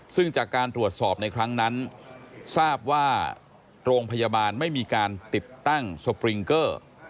ซึ่งจากการตรวจสอบในครั้งนั้นทราบว่าโรงพยาบาลไม่มีการติดตั้งสปริงเกอร์